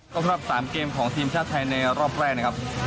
สำหรับ๓เกมของทีมชาติไทยในรอบแรกนะครับ